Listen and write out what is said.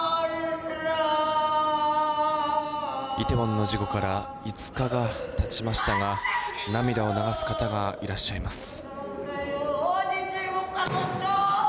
イテウォンの事故から５日が経ちましたが涙を流す方がいらっしゃいます。